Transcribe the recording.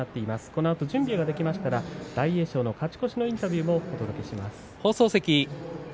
このあと準備ができましたら大栄翔の勝ち越しのインタビューもお届けします。